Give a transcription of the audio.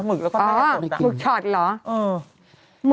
หมึกชอตเหรอ